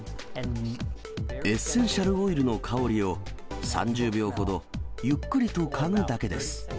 エッセンシャルオイルの香りを、３０秒ほどゆっくりと嗅ぐだけです。